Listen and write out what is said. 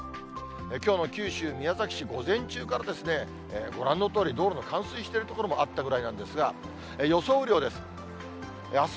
きょうの九州・宮崎市、午前中からご覧のとおり、道路の冠水している所もあったぐらいなんですが、予想雨量です。